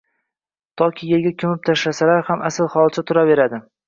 yoki yerga ko‘mib tashlasalar ham asl holicha turaveradi.